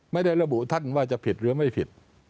ไม่ได้ระบุท่านว่าจะผิดหรือไม่ผิด